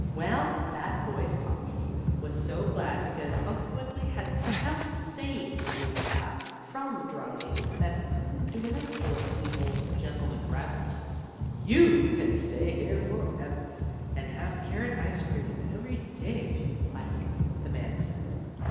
Well, that boy's papa was so glad because Uncle Wiggily had helped save the little chap from drowning that he couldn't do enough for the old gentleman rabbit. "You can stay here forever, and have carrot ice cream every day if you like," the man said.